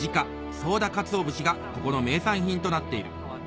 ソウダカツオ節がここの名産品となっている